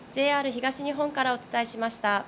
ＪＲ東日本からお伝えしました。